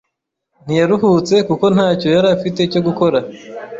Ntiyaruhutse kuko ntacyo yari afite cyo gukora.